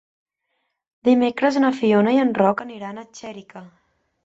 Dimecres na Fiona i en Roc aniran a Xèrica.